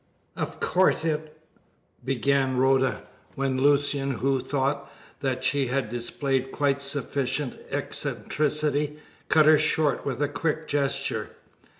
"Of course it " began Rhoda, when Lucian, who thought that she had displayed quite sufficient eccentricity, cut her short with a quick gesture.